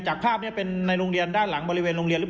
จากภาพเป็นในโรงเรียนด้านหลังบริเวณโรงเรียน